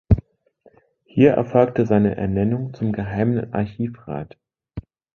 Hier erfolgte seine Ernennung zum Geheimen Archivrat.